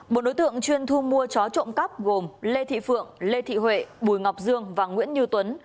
một đối tượng chuyên thu mua chó trộm cắp gồm lê thị phượng lê thị huệ bùi ngọc dương và nguyễn như tuấn